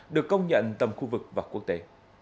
được công nhận tầm khu vực và quốc tế